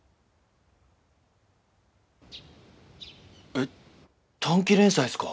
えっ短期連載っすか？